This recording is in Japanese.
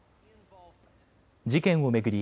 事件を巡り